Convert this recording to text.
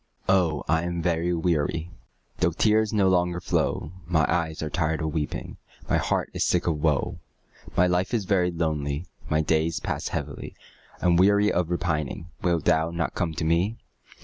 Oh, I am very weary, Though tears no longer flow; My eyes are tired of weeping, My heart is sick of woe; My life is very lonely My days pass heavily, I'm weary of repining; Wilt thou not come to me?